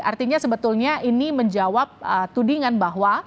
artinya sebetulnya ini menjawab tudingan bahwa